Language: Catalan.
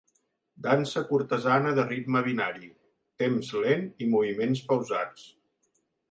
Dansa cortesana de ritme binari, temps lent i moviments pausats.